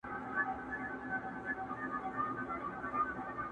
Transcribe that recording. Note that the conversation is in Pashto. ته وایه و تیارو لره ډېوې لرې که نه.